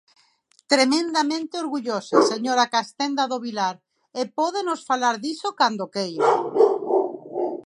Tremendamente orgullosa, señora Castenda do Vilar, e podemos falar diso cando queira.